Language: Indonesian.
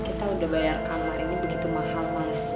kita udah bayar kamar ini begitu mahal mas